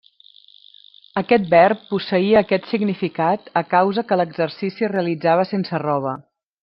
Aquest verb posseïa aquest significat a causa que l'exercici es realitzava sense roba.